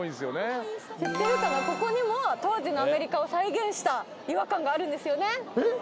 ここにも当時のアメリカを再現した違和感があるんですよねえっ